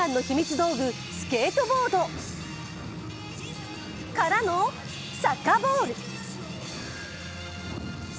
道具、スケートボードからの、サッカーボール！